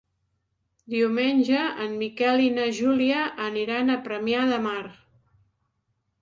Diumenge en Miquel i na Júlia aniran a Premià de Mar.